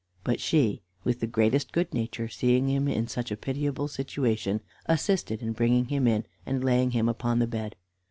But she, with the greatest good nature, seeing him in such a pitiable situation, assisted in bringing him in and laying him upon the bed.